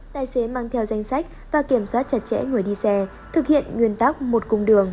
tài xế mang theo danh sách và kiểm soát chặt chẽ người đi xe thực hiện nguyên tắc một cung đường